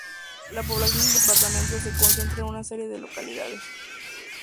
La población del departamento se concentra en una serie de localidades.